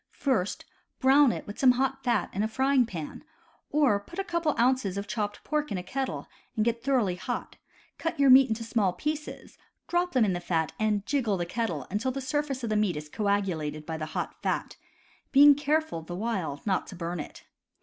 First brown it with some hot fat in a frying pan; or, put a couple of ounces of chopped pork in a kettle and get it thoroughly hot; cut your meat into small pieces; drop them into the fat and "jiggle" the kettle until the sur face of the meat is coagulated by the hot fat, being care ful, the while, not to burn it.